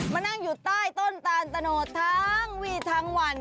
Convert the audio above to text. มานั่งอยู่ใต้ต้นตาลตะโนดทั้งวี่ทั้งวัน